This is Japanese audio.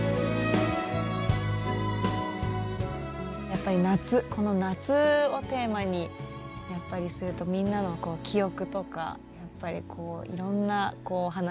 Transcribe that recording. やっぱり夏この夏をテーマにやっぱりするとみんなの記憶とかやっぱりこういろんなこう話に花が咲いて。